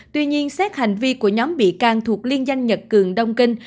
tuy nhiên xét hành vi của nhóm bị can thuộc liên danh nhật cường đông kinh